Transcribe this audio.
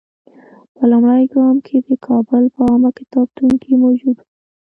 په لومړي ګام کې د کابل په عامه کتابتون کې موجود وو.